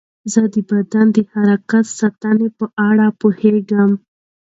زه د بدن د حرارت ساتنې په اړه پوهېږم.